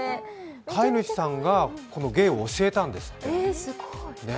飼い主さんがこの芸を教えたんですって。